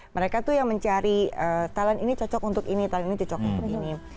mereka tuh yang mencari talent ini cocok untuk ini talent ini cocok untuk ini